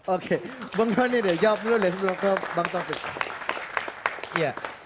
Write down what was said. oke bang doni deh jawab dulu let's go ke bang topik